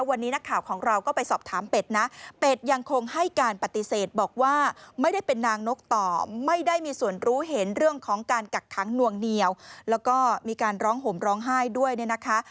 วันนี้นักข่าวของเราก็ไปสอบถามเป็ดนะเป็ดยังคงให้การปฏิเสธบอกว่าไม่ได้เป็นนางนกต่อไม่ได้มีส่วนรู้เห็นเรื่องของการกักขังนวงเหนียวแล้วก็มีการร้องห่มร้องไห้ด้วยเนี่ยนะคะ